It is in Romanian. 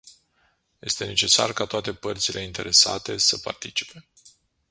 Este necesar ca toate părțile interesate să participe.